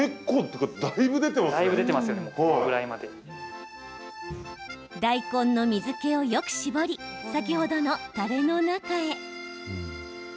このぐらいまで大根の水けをよく絞り先ほどのたれの中へ。